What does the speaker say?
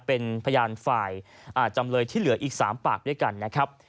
เป็นพยานฝ่ายจำเลยที่เหลืออีก๓ปากด้วยกันนะครับ